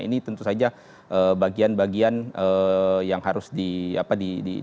ini tentu saja bagian bagian yang harus di